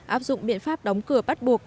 áp dụng biện pháp đóng cửa bắt buộc